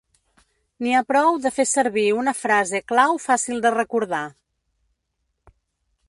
N'hi ha prou de fer servir una frase clau fàcil de recordar.